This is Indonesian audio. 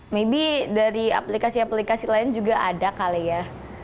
maybe dari aplikasi aplikasi lain juga ada kali ya